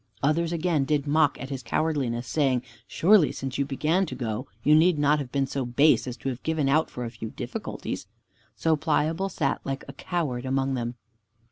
Others again did mock at his cowardliness, saying, "Surely since you began to go, you need not have been so base as to have given out for a few difficulties." So Pliable sat like a coward among them.